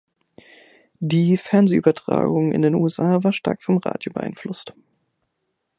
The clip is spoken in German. Die Fernsehübertragung in den USA war stark vom Radio beeinflusst.